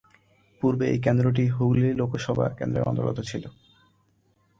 পূর্বে এই কেন্দ্রটি হুগলী লোকসভা কেন্দ্রের অন্তর্গত ছিল।